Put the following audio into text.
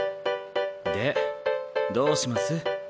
でどうします？